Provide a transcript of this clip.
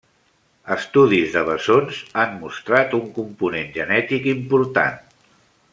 Estudis de bessons han mostrat un component genètic important.